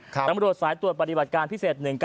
ตำรวจสายตรวจปฏิบัติการพิเศษ๑๙